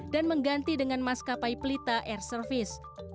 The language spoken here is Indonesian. dan mengganti dengan maskapai pelita air service